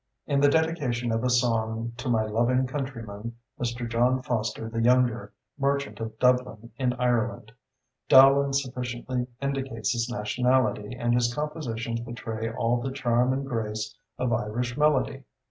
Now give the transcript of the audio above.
In the dedication of a song "to my loving countryman, Mr. John Foster the Younger, merchant of Dublin in Ireland," Dowland sufficiently indicates his nationality, and his compositions betray all the charm and grace of Irish melody.